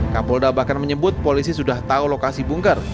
kapolda bahkan menyebut polisi sudah tahu lokasi bunker